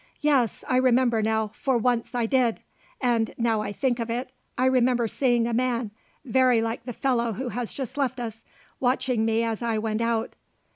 "Yes, I remember now, for once I did; and now I think of it, I remember seeing a man, very like the fellow who has just left us, watching me as I went out.